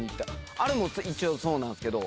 あれもそうなんすけど。